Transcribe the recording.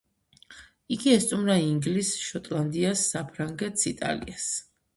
იგი ესტუმრა ინგლისს, შოტლანდიას, საფრანგეთს, იტალიას.